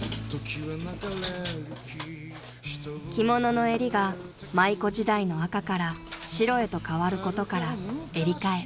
［着物の襟が舞妓時代の赤から白へとかわることから衿替え］